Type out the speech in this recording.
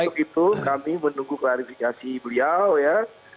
untuk itu kami menunggu klarifikasi beliau ya